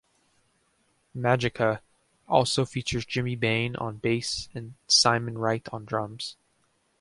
"Magica" also features Jimmy Bain on bass and Simon Wright on drums.